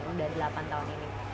udah delapan tahun ini